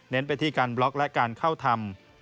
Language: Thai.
ไปที่การบล็อกและการเข้าทำ